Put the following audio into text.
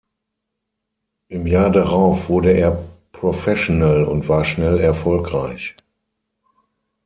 Im Jahr darauf wurde er Professional und war schnell erfolgreich.